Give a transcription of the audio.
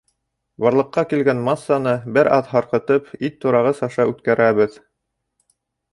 Барлыҡҡа килгән массаны бер аҙ һарҡытып, ит турағыс аша үткәрәбеҙ.